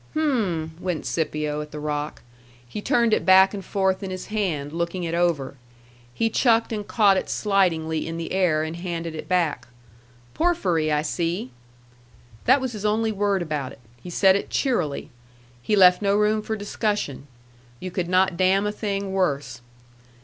"H'm!" went Scipio at the rock. He turned it back and forth in his hand, looking it over; he chucked and caught it slightingly in the air, and handed it back. "Porphyry, I see." That was his only word about it. He said it cheerily. He left no room for discussion. You could not damn a thing worse.